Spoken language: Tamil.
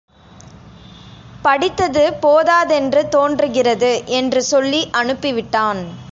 படித்தது போதாதென்று தோன்றுகிறது என்று சொல்லி அனுப்பிவிட்டான்.